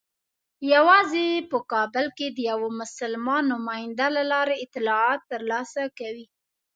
یوازې په کابل کې د یوه مسلمان نماینده له لارې اطلاعات ترلاسه کوي.